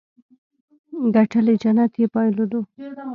ګټلې جنت يې بايلودو.